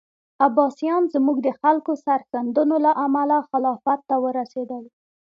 عباسیان زموږ د خلکو سرښندنو له امله خلافت ته ورسېدل.